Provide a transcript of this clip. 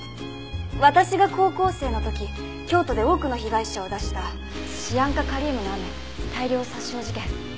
私が高校生の時京都で多くの被害者を出したシアン化カリウムの雨大量殺傷事件。